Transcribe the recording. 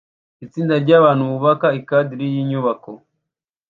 Itsinda ryabantu bubaka ikadiri yinyubako